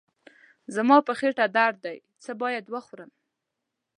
زما په خېټه درد دی، څه باید وخورم؟